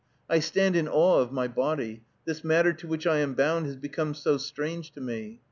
I stand in awe of my body, this matter to which I am bound has become so strange to me.